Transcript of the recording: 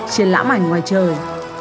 chiến lãm ảnh ngoài trời